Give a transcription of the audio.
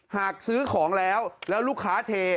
หากซื้อของแล้วแล้วลูกค้าเท